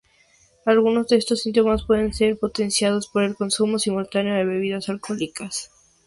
Algunos de estos síntomas pueden ser potenciados por el consumo simultáneo de bebidas alcohólicas.